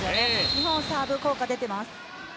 日本のサーブの効果が出ています。